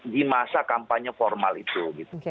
di masa kampanye formal itu